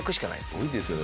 すごいですよね